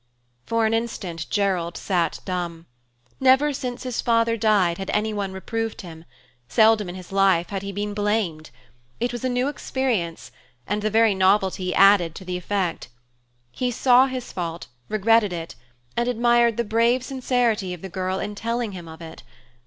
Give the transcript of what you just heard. For an instant Gerald sat dumb. Never since his father died had anyone reproved him; seldom in his life had he been blamed. It was a new experience, and the very novelty added to the effect. He saw his fault, regretted it, and admired the brave sincerity of the girl in telling him of it.